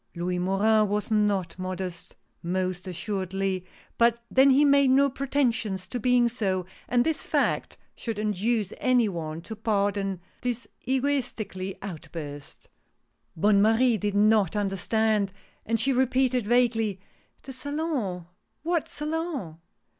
Louis Morin was not modest, most assuredly, but then he made no pretensions to being so, and this fact should induce any one to pardon this egotistical outburst. 122 THE PAINTER. Bonne Marie did not understand, and she repeated, vaguely :" The Salon ! What Salon